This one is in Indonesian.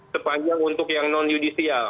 sepanjang untuk yang non judicial